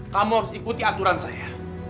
kamu harus ikuti aturan saya